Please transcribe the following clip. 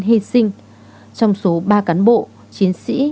hy sinh trong số ba cán bộ chiến sĩ